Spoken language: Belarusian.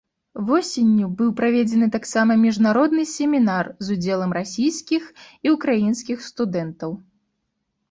Восенню быў праведзены таксама міжнародны семінар з удзелам расійскіх і ўкраінскіх студэнтаў.